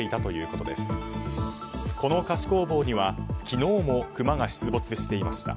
この菓子工房には昨日もクマが出没していました。